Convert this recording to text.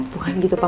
bukan gitu pak